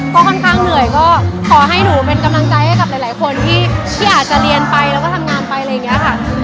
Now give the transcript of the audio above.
ก็ค่อนข้างเหนื่อยก็ขอให้หนูเป็นกำลังใจให้กับหลายคนที่อาจจะเรียนไปแล้วก็ทำงานไปอะไรอย่างนี้ค่ะ